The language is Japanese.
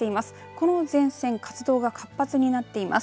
この前線活動が活発になっています。